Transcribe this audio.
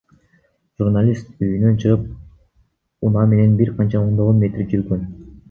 Журналист үйүнөн чыгып, унаа менен бир канча ондогон метр жүргөн.